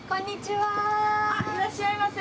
いらっしゃいませ。